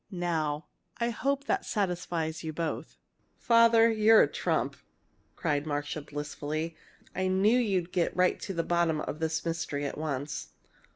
Now I hope that satisfies you both!" "Father, you're a trump!" cried Marcia, blissfully. "I knew you'd get right to the bottom of this mystery at once."